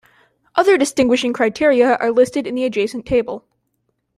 Other distinguishing criteria are listed in the adjacent table.